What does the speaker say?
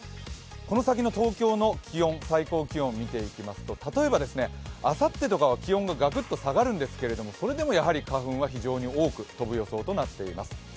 この先の東京の最高気温を見ていきますと、例えば、あさってとかは気温がガクッと下がるんですけどそれでもやはり花粉は非常に多く飛ぶ予想となっています。